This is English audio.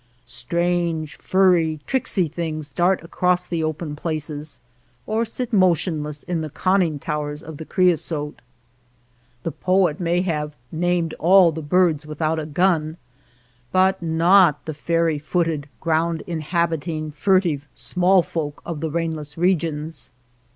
Strange, furry, tricksy things dart across the open places, or sit motion less in the conning towers of the creosote. 13 THE LAND OF LITTLE RAIN The poet may have " named all the birds without a gun," but not the fairy footed, ground inhabiting, furtive, small folk of the rainless regions.